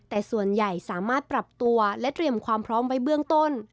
แต่ส่วนใหญ่สามารถปรับตัวและเตรียมความพร้อมไว้เบื้องต้น